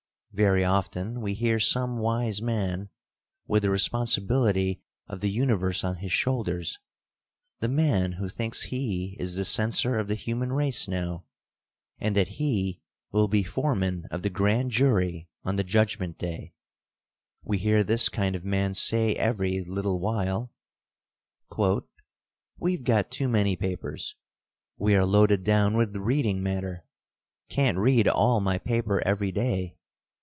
Very often we hear some wise man with the responsibility of the universe on his shoulders, the man who thinks he is the censor of the human race now, and that he will be foreman of the grand jury on the Judgment Day we hear this kind of man say every little while: "We've got too many papers. We are loaded down with reading matter. Can't read all my paper every day.